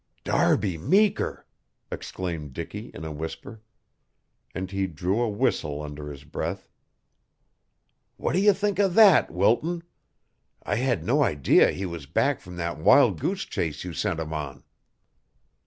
"Darby Meeker!" exclaimed Dicky in a whisper. And he drew a whistle under his breath. "What do you think of that, Wilton? I had no idea he was back from that wild goose chase you sent him on."